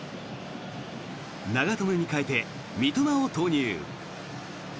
長友に代えて三笘を投入。